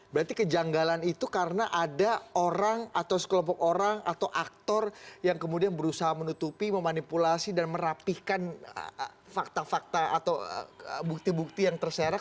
berarti kejanggalan itu karena ada orang atau sekelompok orang atau aktor yang kemudian berusaha menutupi memanipulasi dan merapihkan fakta fakta atau bukti bukti yang terserak